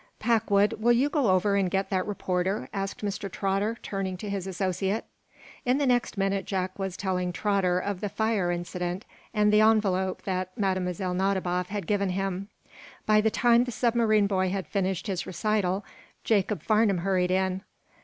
"Packwood, will you go over and get that reporter?" asked Mr. Trotter, turning to his associate. In the next minute Jack was telling Trotter of the fire incident and the envelope that Mlle. Nadiboff had given him. By the time the submarine boy had finished his recital Jacob Farnum hurried in.